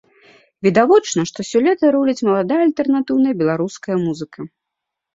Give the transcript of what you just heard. Відавочна, што сёлета руліць маладая альтэрнатыўная беларуская музыка.